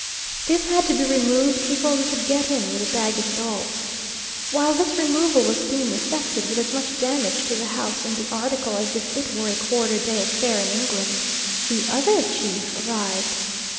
This had to be removed before we could get in with the baggage at all. While this removal was being effected with as much damage to the house and the article as if it were a quarter day affair in England, the other chief arrived.